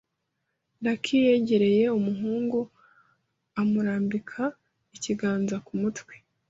Lucy yegereye umuhungu amurambika ikiganza ku mutwe.